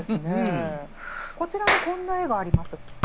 こちらにこんな絵があります。